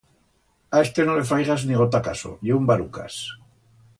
A este no le faigas ni gota caso, ye un barucas.